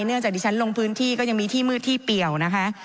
จากที่ฉันลงพื้นที่ก็ยังมีที่มืดที่เปี่ยวนะคะ